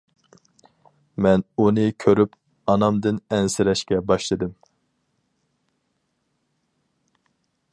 مەن ئۇنى كۆرۈپ ئانامدىن ئەنسىرەشكە باشلىدىم.